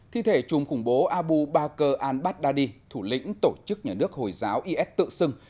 thi thể chùm khủng bố abu barker al baghdadi thủ lĩnh tổ chức nhà nước hồi giáo is tự xưng